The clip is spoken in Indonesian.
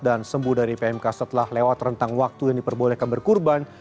dan sembuh dari pmk setelah lewat rentang waktu yang diperbolehkan berkurban